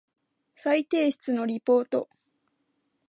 再提出のリポート